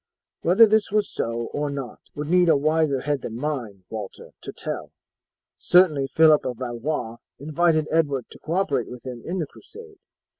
Whether this was so or not would need a wiser head than mine, Walter, to tell. Certainly Phillip of Valois invited Edward to cooperate with him in the crusade.